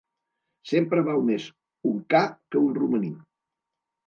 Sempre val més un ca que un romaní.